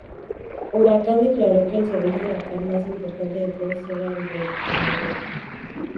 Huracán declaró que el segundo Huracán más importante de todos era el de Comodoro.